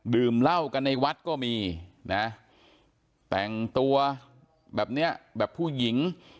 ดื่มเหล้ากันในวัดก็มีนะแต่งตัวแบบเนี้ยแบบผู้หญิง